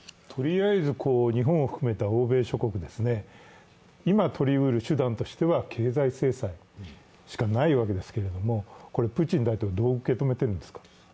とりあえず日本を含めた欧米諸国が今とりうる手段としては経済制裁しかないわけですけど、プーチン大統領はどう受け止めているんですか？